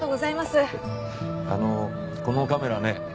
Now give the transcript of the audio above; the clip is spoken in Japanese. あのこのカメラね